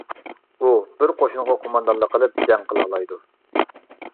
ئۇ بىر قوشۇنغا قوماندانلىق قىلىپ جەڭ قىلالايدۇ.